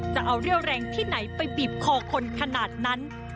จะเอาเรี่ยวแรงที่ไหนไปบีบคอคนขนาดนั้น